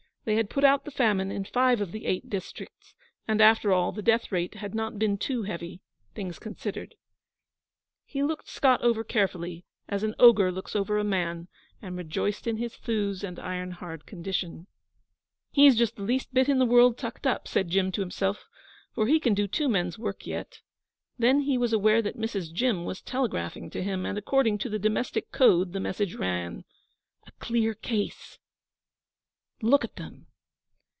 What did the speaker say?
They had put out the famine in five of the Eight Districts, and, after all, the death rate had not been too heavy things considered. He looked Scott over carefully, as an ogre looks over a man, and rejoiced in his thews and iron hard condition. 'He's just the least bit in the world tucked up,' said Jim to himself, 'but he can do two men's work yet.' Then he was aware that Mrs. Jim was telegraphing to him, and according to the domestic code the message ran: 'A clear case. Look at them!'